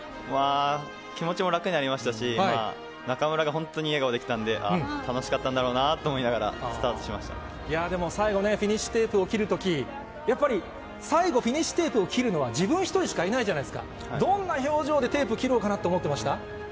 気持ちも楽になりましたし、中村が本当に笑顔で来たので、あっ、楽しかったんだろうなと思でも、最後ね、フィニッシュテープを切るとき、やっぱり、最後、フィニッシュテープを切るのは自分一人しかいないじゃないですか、どんな表情でテープ切ろうかなって思ってました？